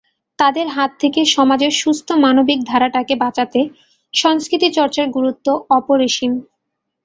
তাদের হাত থেকে সমাজের সুস্থ মানবিক ধারাটাকে বাঁচাতে সংস্কৃতিচর্চার গুরুত্ব অপরিসীম।